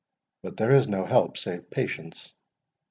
But there is no help save patience.